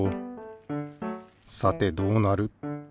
さてどうなる？